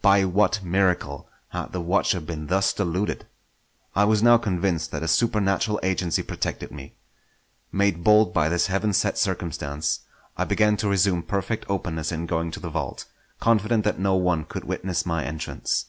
By what miracle had the watcher been thus deluded? I was now convinced that a supernatural agency protected me. Made bold by this heaven sent circumstance, I began to resume perfect openness in going to the vault; confident that no one could witness my entrance.